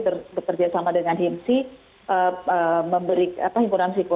berkerjasama dengan himsi